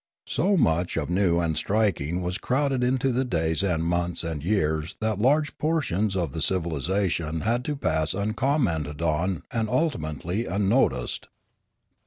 So much of new and striking was crowded into the days and months and years that large portions of the civilisation had to pass uncommented on and ultimately unnoticed.